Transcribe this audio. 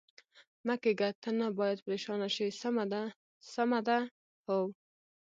مه کېږه، ته نه باید پرېشانه شې، سمه ده، سمه ده؟ هو.